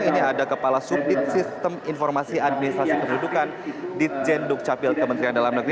ini ada kepala subdit sistem informasi administrasi pendudukan di jenduk capil kementerian dalam negeri